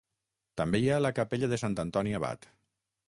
També hi ha la capella de Sant Antoni Abat.